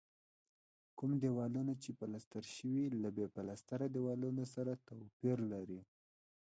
کوم دېوالونه چې پلستر شوي له بې پلستره دیوالونو سره توپیر لري.